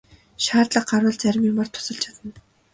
Шаардлага гарвал зарим юмаар тусалж чадна.